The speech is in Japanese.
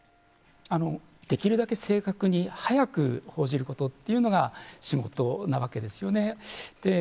できるだけ正確に早く報じることが仕事なわけですよね。